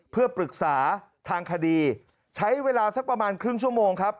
เพื่อปรึกษาทางคดีใช้เวลาสักประมาณครึ่งชั่วโมงครับ